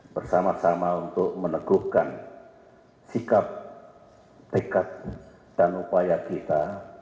bersama sama untuk meneguhkan sikap tekad dan upaya kita